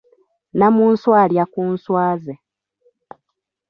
Nnamunswa alya ku nswa ze.